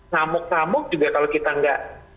ngamuk ngamuk juga kalau kita